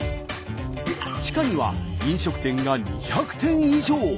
地下には飲食店が２００店以上。